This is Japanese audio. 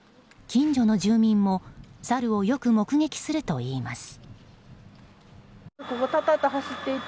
近所の住民もサルをよく目撃するといいます。